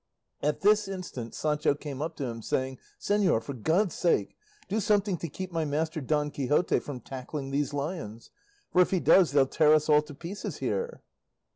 At this instant Sancho came up to him, saying, "Señor, for God's sake do something to keep my master, Don Quixote, from tackling these lions; for if he does they'll tear us all to pieces here."